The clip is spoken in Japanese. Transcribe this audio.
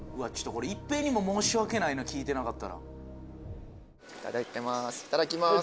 これ一平にも申し訳ないな聞いてなかったらいただきまーす